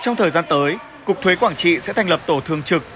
trong thời gian tới cục thuế quảng trị sẽ thành lập tổ thương trực